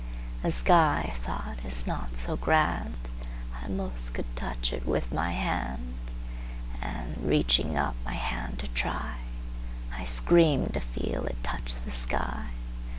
The sky, I thought, is not so grand;I 'most could touch it with my hand! And reaching up my hand to try,I screamed to feel it touch the sky.